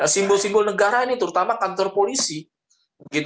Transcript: simbol simbol negara ini terutama kantor polisi